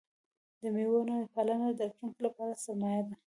د مېوو ونه پالنه د راتلونکي لپاره سرمایه ده.